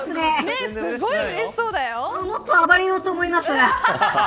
もっと暴れようと思います。